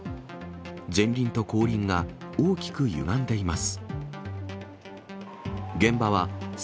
前輪と後輪が大きくゆがんでいます。